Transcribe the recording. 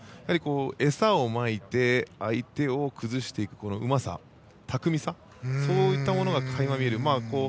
餌をまいて相手を崩していくうまさ、巧みさそういったものが垣間見える。